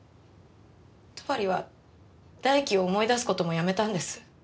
戸張は大樹を思い出す事もやめたんです。